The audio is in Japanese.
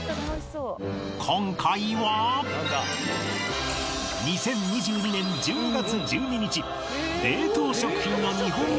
今回は２０２２年１２月１２日